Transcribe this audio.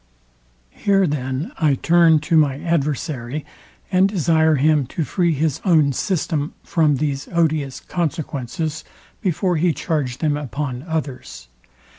Here then I turn to my adversary, and desire him to free his own system from these odious consequences before he charge them upon others.